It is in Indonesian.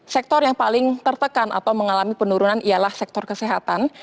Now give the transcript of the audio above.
sektor yang paling tertekan atau mengalami penurunan ialah sektor kesehatan